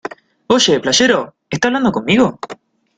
¡ Oye, playero! ¿ esta hablando conmigo?